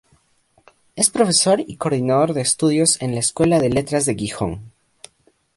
Es profesor y coordinador de estudios en la "Escuela de Letras de Gijón".